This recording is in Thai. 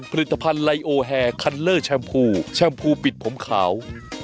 ผลิตภัณฑ์ไลโอแฮคันเลอร์แชมพูแชมพูปิดผมขาว